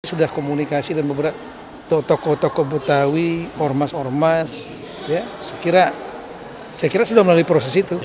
sudah komunikasi dan beberapa tokoh tokoh betawi ormas ormas saya kira sudah melalui proses itu